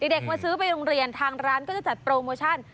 เด็กมาซื้อไปโรงเรียนทางร้านก็จะจัดโปรโมชั่น